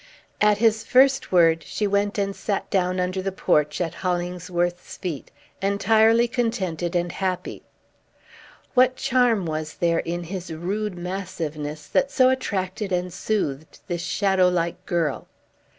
At his first word, she went and sat down under the porch, at Hollingsworth's feet, entirely contented and happy. What charm was there in his rude massiveness that so attracted and soothed this shadow like girl?